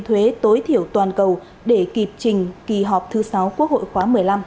thuế tối thiểu toàn cầu để kịp trình kỳ họp thứ sáu quốc hội khóa một mươi năm